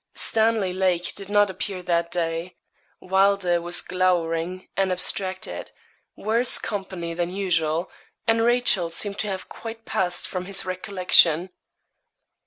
Stanley Lake did not appear that day; Wylder was glowering and abstracted worse company than usual; and Rachel seemed to have quite passed from his recollection.